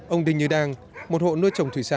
ông đinh như đang một hộ nuôi trồng thủy sản